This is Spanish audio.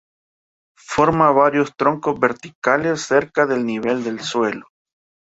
Forma varios troncos verticales cerca del nivel del suelo.